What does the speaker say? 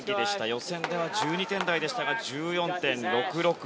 予選では１２点台でしたが１４．６６６。